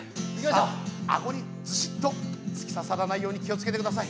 さあ顎にズシッと突き刺さらないように気を付けてください。